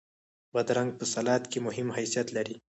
بادرنګ په سلاد کې مهم حیثیت لري.